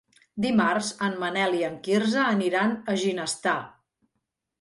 Dimarts en Manel i en Quirze aniran a Ginestar.